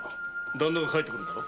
旦那が帰ってくるんだろ？